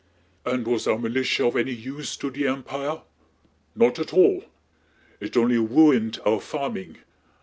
"And was our militia of any use to the Empia? Not at all! It only wuined our farming!